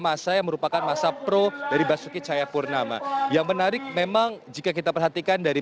masa yang merupakan masa pro dari basuki cahayapurnama yang menarik memang jika kita perhatikan dari